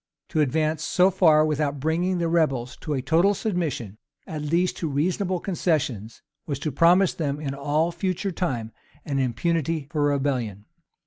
To advance so far, without bringing the rebels to a total submission, at least to reasonable concessions, was to promise them, in all future time, an impunity for rebellion.